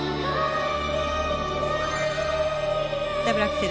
ダブルアクセル。